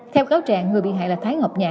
theo cáo trạng người bị hại là thái ngọc nhả